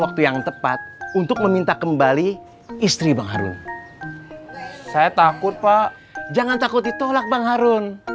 waktu yang tepat untuk meminta kembali istri bang harun saya takut pak jangan takut ditolak bang harun